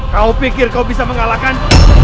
kau pikir kau bisa mengalahkan